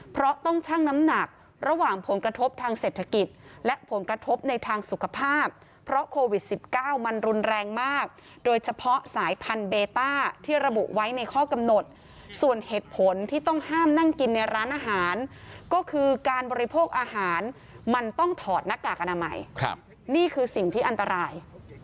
เพราะต้องชั่งน้ำหนักระหว่างผลกระทบทางเศรษฐกิจและผลกระทบในทางสุขภาพเพราะโควิด๑๙มันรุนแรงมากโดยเฉพาะสายพันธุเบต้าที่ระบุไว้ในข้อกำหนดส่วนเหตุผลที่ต้องห้ามนั่งกินในร้านอาหารก็คือการบริโภคอาหารมันต้องถอดหน้ากากอนามัยนี่คือสิ่งที่อันตราย